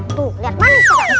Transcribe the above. tuh liat mana istriku